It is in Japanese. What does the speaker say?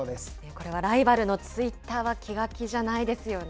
これはライバルのツイッターは気が気じゃないですよね。